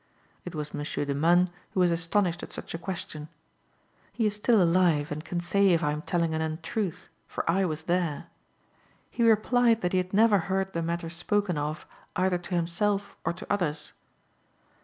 It was Monsieur de Manne who was astonished at such a question. He is still alive and can say if I am telling an untruth, for I was there. He replied that he had never heard the matter spoken of either to himself or to others.